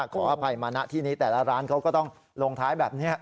ขออภัยมานะที่นี้แต่ละร้านเขาก็ต้องลงท้ายแบบนี้